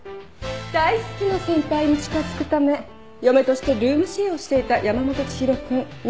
大好きな先輩に近づくため嫁としてルームシェアをしていた山本知博君２６歳は。